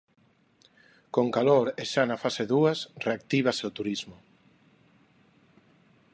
Con calor e xa na fase dúas reactívase o turismo.